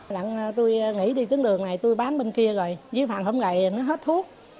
lần tôi nghỉ đi tướng đường này tôi bán bên kia rồi dưới phạm không gầy nó hết thuốc